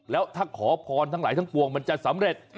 แล้วถ้าขอพรทั้งหลายทั้งปวงมันจะสำเร็จ